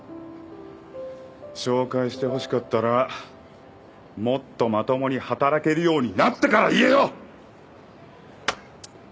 紹介してほしかったらもっとまともに働けるようになってから言えよ！